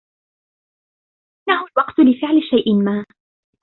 إنهُ الوقت لِفعل شيئاً ما.